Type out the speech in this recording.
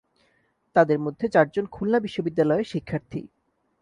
তাঁদের মধ্যে চারজন খুলনা বিশ্ববিদ্যালয়ের শিক্ষার্থী।